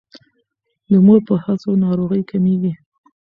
د مور په هڅو ناروغۍ کمیږي.